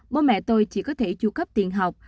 bố mẹ tôi chỉ có thể tru cấp tiền học